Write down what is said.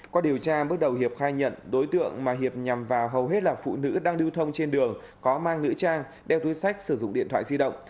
qua điều tra bước đầu hiệp khai nhận đối tượng mà hiệp nhằm vào hầu hết là phụ nữ đang lưu thông trên đường có mang nữ trang đeo túi sách sử dụng điện thoại di động